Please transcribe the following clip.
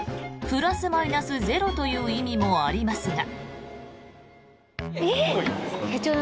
プラスマイナスゼロという意味もありますが。